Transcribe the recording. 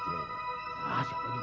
siapa juga gak bisa duit